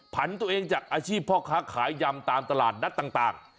ผันตัวเองจากอาชีพพ่อค้าขายยำตามตลาดนัดต่าง